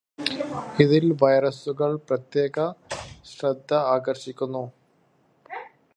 ഇതിൽ വൈറസുകൾ പ്രത്യേകശ്രദ്ധ ആകർഷിക്കുന്നു.